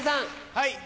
はい。